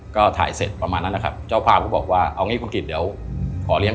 ก็ถ่ายเสร็จประมาณนั้นนะครับเจ้าพ่าก๋อร์บบอกว่าเอาอย่างงี้ข้องกินเดี๋ยวขอเลี้ยง